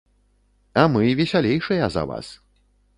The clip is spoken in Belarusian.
А мы весялейшыя за вас.